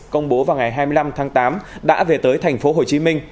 công bố vào ngày hai mươi năm tháng tám đã về tới tp hcm